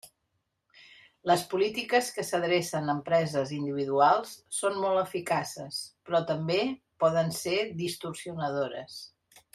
Les polítiques que s'adrecen a empreses individuals són molt eficaces, però també poden ser distorsionadores.